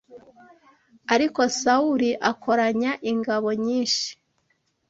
Ariko Sawuli akoranya ingabo nyinshi